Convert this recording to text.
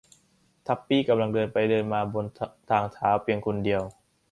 ทับปี้กำลังเดินไปเดินมาบนทางเท้าเพียงคนเดียว